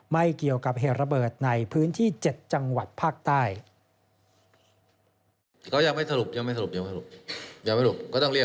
ไม่เกี่ยวกับเหตุระเบิดในพื้นที่๗จังหวัดภาคใต้